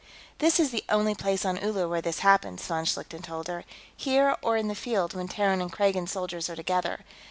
"This is the only place on Uller where this happens," von Schlichten told her. "Here, or in the field when Terran and Kragan soldiers are together.